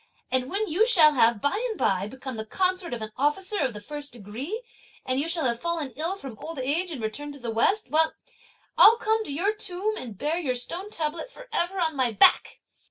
And when you shall have by and by become the consort of an officer of the first degree, and you shall have fallen ill from old age and returned to the west, I'll come to your tomb and bear your stone tablet for ever on my back!"